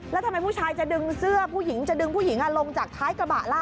แล้วทำไมผู้ชายจะดึงเสื้อผู้หญิงจะดึงผู้หญิงลงจากท้ายกระบะล่ะ